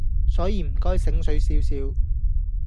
所以唔該醒水少少